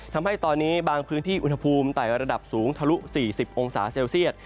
ทำให้ตอนนี้บางพื้นที่อุณหภูมิไต่ระดับสูงทะลุ๔๐องศาเซลเซียต